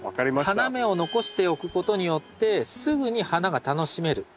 花芽を残しておくことによってすぐに花が楽しめる。